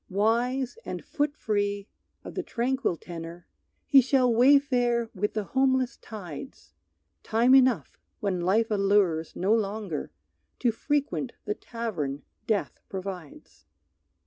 Wise and foot free, of the tranquil tenor, He shall wayfare with the homeless tides; Time enough, when life allures no longer, To frequent the tavern death provides.